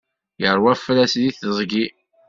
Yeṛwa afras di teẓgi.